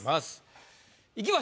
頂きます。